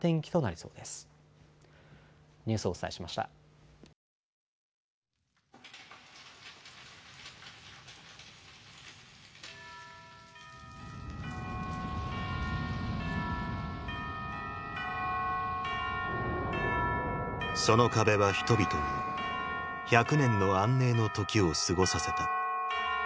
その壁は人々に１００年の安寧の時を過ごさせた。